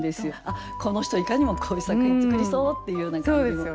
あっこの人いかにもこういう作品作りそうっていう感じも。